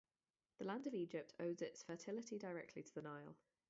The land of Egypt owed its fertility directly to the Nile.